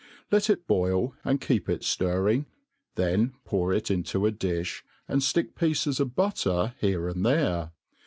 Let it boil, and keep it ifrisig, then pour it into a difti, and ftick pieces of butter here ' and there.